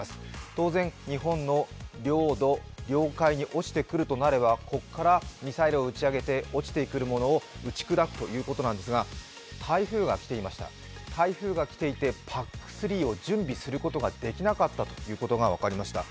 当然、日本の領土・領海に落ちてくるとなればここからミサイルを打ち上げて落ちてくるものを打ち砕くということなんですが台風がきていました台風がきていてＰＡＣ３を準備することができなかったということが分かりました。